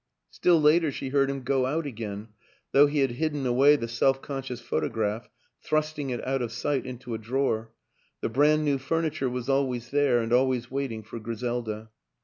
Still later she heard him go out again; though he had hidden away the self conscious photograph, thrusting it out of sight into a drawer, the brand new furniture was always there and always waiting for Griselda.